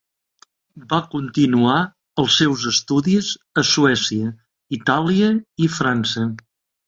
Va continuar els seus estudis a Suècia, Itàlia i França.